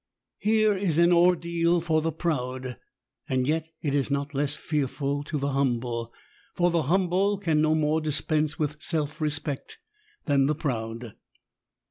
Here is an ordeal for the proud ! yet it is not less fearful to the humble ; for the humble can no more dispense with self respect than the proud.